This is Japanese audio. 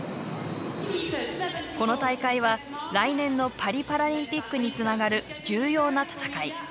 この大会は来年のパリパラリンピックにつながる重要な戦い。